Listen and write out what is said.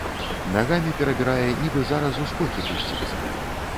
Нагамі перабірае, нібы зараз у скокі пусціцца.